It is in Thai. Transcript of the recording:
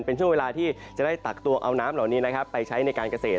เป็นช่วงเวลาที่จะได้ตักตัวเอาน้ำเหล่านี้ไปใช้ในการเกษตร